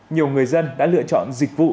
nhiều người dân đã lựa chọn dịch vụ